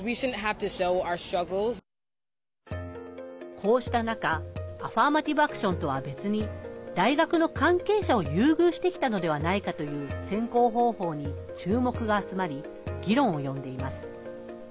こうした中アファーマティブ・アクションとは別に大学の関係者を優遇してきたのではないかという選考方法に注目が集まり議論を呼んでいます。